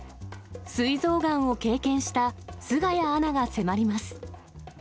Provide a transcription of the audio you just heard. すい臓がんを経験した菅谷アナが迫ります。